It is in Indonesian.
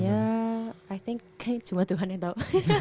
ya i think kayaknya cuma tuhan yang tahu